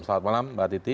selamat malam mbak titi